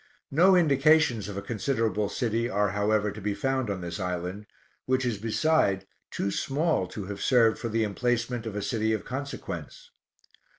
No indications of a considerable city are however to be found on this island, which is beside too small to have served for the emplacement of a city of consequence.